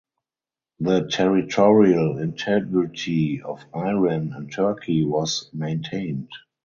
The territorial integrity of Iran and Turkey was maintained.